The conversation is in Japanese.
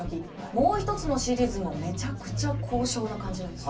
もう一つのシリーズもめちゃくちゃ高尚な感じなんです。